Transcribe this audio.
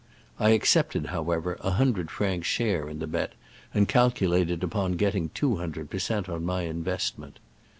I accepted, however, a hundred franc share in the bet, and calculated upon getting .two hundred per cent, on my investment.